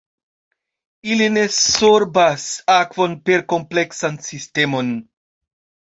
Ili ne sorbas akvon per kompleksan sistemon.